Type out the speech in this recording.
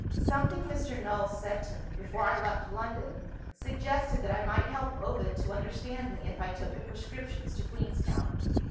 Something Mr. Null said to me, before I left London, suggested that I might help Ovid to understand me if I took the prescriptions to Queenstown.